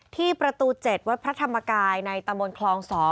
ที่ประตู๗วัดพระธรรมกายในตำบลคลอง๒